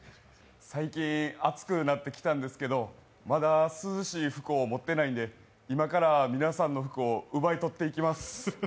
最近、暑くなってきたんですけどまだ涼しい服を持っていないんで今から皆さんの服を奪い取っていきます。